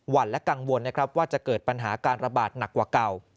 และกังวลนะครับว่าจะเกิดปัญหาการระบาดหนักกว่าเก่า